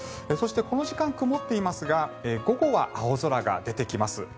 そしてこの時間、曇っていますが午後は青空が出てきます。